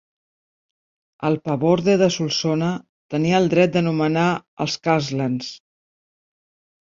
El paborde de Solsona tenia el dret de nomenar els castlans.